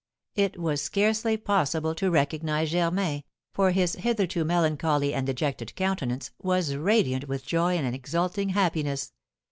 It was scarcely possible to recognise Germain, for his hitherto melancholy and dejected countenance was radiant with joy and exulting happiness.